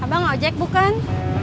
abang ngeojek bukan